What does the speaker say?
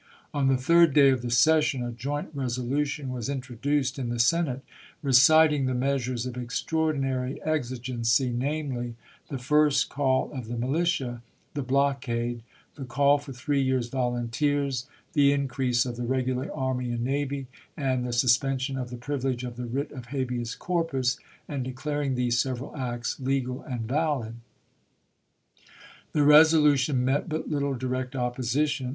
On the third day of the session a joint resolution was introduced in the Senate reciting the measures of extraordinary exi gency, namely, the first call of the militia: the CONGRESS 383 blockade; the call for three years' volunteers; the chap.xxi. increase of the regular army and navy, and the suspension of the privilege of the writ of habeas corpus ; and declaring these several acts legal and valid. The resolution met but little direct opposition.